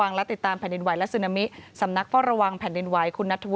ว่ามันมีอัตเตอร์ช็อปมีอะไรเจอสิ้นในช่วงเวลาถัดไปนะครับ